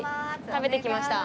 食べてきました。